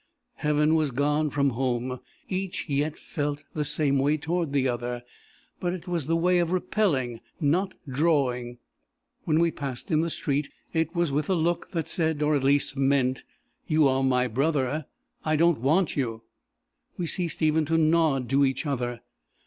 Heaven was gone from home. Each yet felt the same way toward the other, but it was the way of repelling, not drawing. When we passed in the street, it was with a look that said, or at least meant 'You are my brother! I don't want you!' We ceased even to nod to each other.